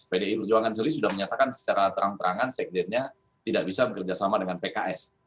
pdi perjuangan celis sudah menyatakan secara terang terangan sekdennya tidak bisa bekerja sama dengan pks